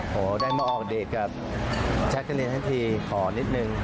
ได้มาออกเดทกับแจ๊กกะรีนทั้งทีขอนิดนึง